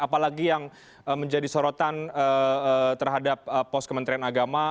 apalagi yang menjadi sorotan terhadap pos kementerian agama